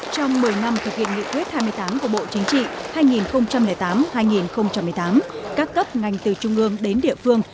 trong một mươi năm thực hiện nghị quyết hai mươi tám của bộ chính trị hai nghìn tám hai nghìn một mươi tám các cấp ngành từ trung ương đến địa phương